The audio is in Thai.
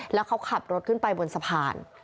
แล้วเขาขับรถขึ้นไปบนสะพาน